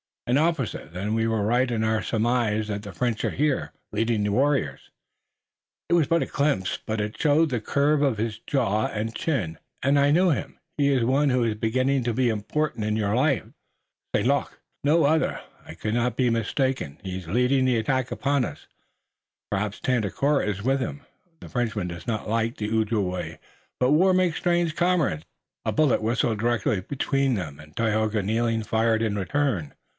"An officer. Then we were right in our surmise that the French are here, leading the warriors." "It was but a glimpse, but it showed the curve of his jaw and chin, and I knew him. He is one who is beginning to be important in your life, Dagaeoga." "St. Luc." "None other. I could not be mistaken. He is leading the attack upon us. Perhaps Tandakora is with him. The Frenchman does not like the Ojibway, but war makes strange comrades. That was close!" A bullet whistled directly between them, and Tayoga, kneeling, fired in return.